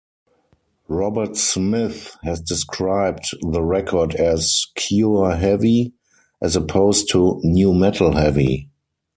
Robert Smith has described the record as "Cure heavy", as opposed to "new-metal heavy".